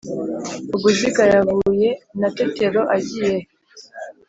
Vuguziga yahuye na Tetero agiye he?